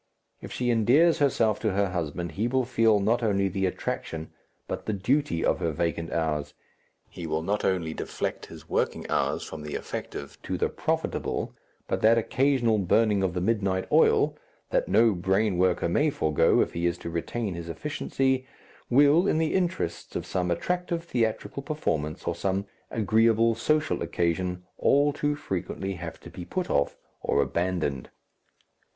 If she endears herself to her husband, he will feel not only the attraction but the duty of her vacant hours; he will not only deflect his working hours from the effective to the profitable, but that occasional burning of the midnight oil, that no brain worker may forego if he is to retain his efficiency, will, in the interests of some attractive theatrical performance or some agreeable social occasion, all too frequently have to be put off or abandoned.